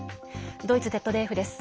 ドイツＺＤＦです。